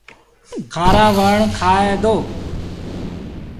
کآرآ وڻ کآئي دو۔